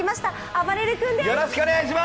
あばれる君です。